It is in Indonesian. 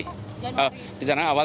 dicanang awal tapi mulai berlakunya januari